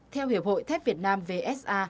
theo hiệp hội thép việt nam vsa